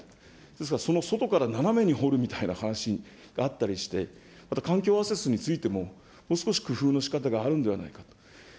ですからその外から斜めに掘るみたいな話があったりして、また環境アセスについても、もう少し工夫のしかたがあるんじゃないかと。